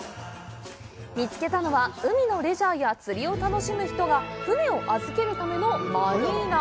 見つけたのは海のレジャーや釣りを楽しむ人が船を預けるためのマリーナ。